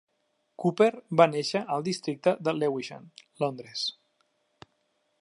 Cooper va néixer al districte de Lewisham, Londres.